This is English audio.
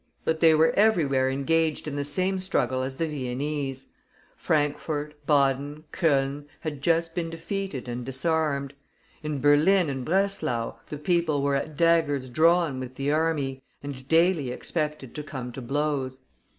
But they were everywhere engaged in the same struggle as the Viennese. Frankfort, Baden, Cologne, had just been defeated and disarmed. In Berlin and Breslau the people were at daggers drawn with the army, and daily expected to come to blows.